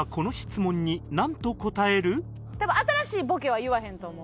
多分新しいボケは言わへんと思う。